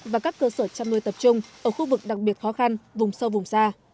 và các cơ sở chăm nuôi tập trung ở khu vực đặc biệt khó khăn vùng sâu vùng xa